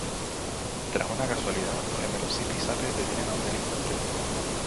Tras una casualidad, los gemelos Zipi y Zape detienen a un delincuente.